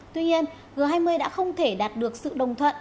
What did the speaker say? tuy nhiên g hai mươi đã không thể đạt được sự đồng thuận